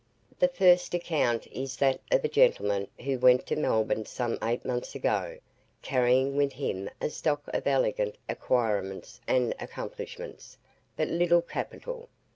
The first account is that of a gentleman who went to Melbourne some eight months ago, carrying with him a stock of elegant acquirements and accomplishments, but little capital.